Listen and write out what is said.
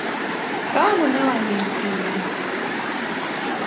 Tavu nelaimīgu tīni.